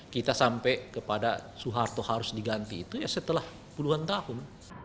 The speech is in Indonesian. kita sampai kepada soeharto harus diganti itu ya setelah puluhan tahun